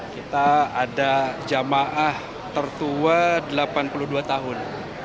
kita ada jamaah tertua delapan puluh dua tahun